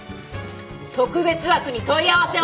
特別枠に問い合わせは。